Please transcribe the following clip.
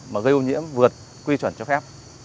mà gây ô nhiễm vượt quy chuẩn cho phép